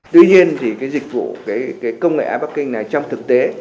tuy nhiên thì cái dịch vụ cái công nghệ iparking này trong thực tế